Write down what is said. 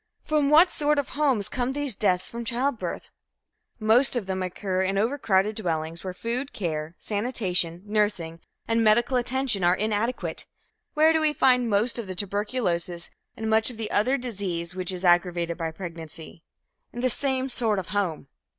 From what sort of homes come these deaths from childbirth? Most of them occur in overcrowded dwellings, where food, care, sanitation, nursing and medical attention are inadequate. Where do we find most of the tuberculosis and much of the other disease which is aggravated by pregnancy? In the same sort of home.